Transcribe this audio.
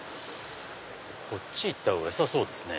こっち行った方がよさそうですね。